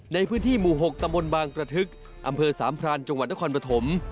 ในพื้นที่หมู่๖ตำบลบางกระทึกอำเภอสามพรานจังหวัดนครปฐม